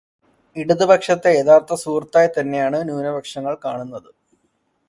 ഇടതുപക്ഷത്തെ യഥാർഥ സുഹൃത്തായിത്തന്നെയാണ് ന്യൂനപക്ഷങ്ങൾ കാണുന്നത്.